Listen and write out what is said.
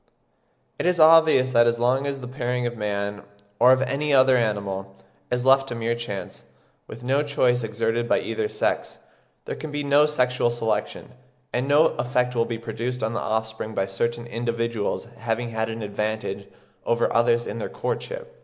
It is obvious that as long as the pairing of man, or of any other animal, is left to mere chance, with no choice exerted by either sex, there can be no sexual selection; and no effect will be produced on the offspring by certain individuals having had an advantage over others in their courtship.